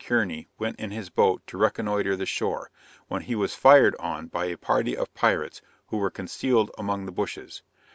Kearney went in his boat to reconnoitre the shore, when he was fired on by a party of pirates who were concealed among the bushes.